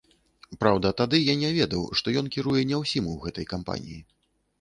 Праўда, тады я не ведаў, што ён кіруе не ўсім у гэтай кампаніі.